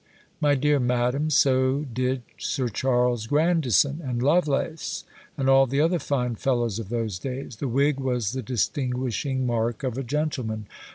My dear Madam, so did Sir Charles Grandison, and Lovelace, and all the other fine fellows of those days: the wig was the distinguishing mark of a gentleman.